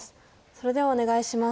それではお願いします。